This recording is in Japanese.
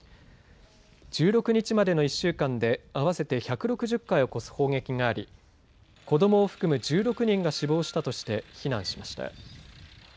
１６日までの１週間で合わせて１６０回を超す砲撃があり、子どもを含む１６人が死亡したとして非難しました。